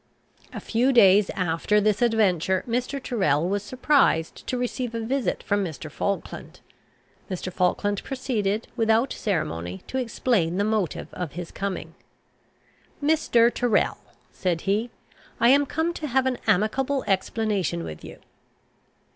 A few days after this adventure Mr. Tyrrel was surprised to receive a visit from Mr. Falkland. Mr. Falkland proceeded, without ceremony, to explain the motive of his coming. "Mr. Tyrrel," said he, "I am come to have an amicable explanation with you."